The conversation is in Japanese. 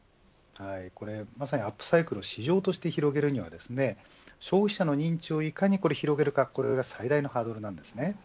まさにアップサイクルの市場として広げるには消費者の認知をいかに広げるかこれが最大のハードルです。